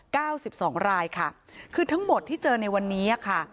สิบสองรายค่ะคือทั้งหมดที่เจอในวันนี้อ่ะค่ะ